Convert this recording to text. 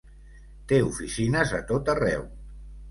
Té oficines a tot arreu.